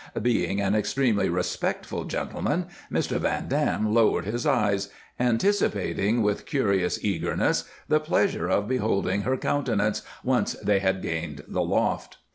Being an extremely respectful gentleman, Mr. Van Dam lowered his eyes, anticipating with curious eagerness the pleasure of beholding her countenance, once they had gained the loft.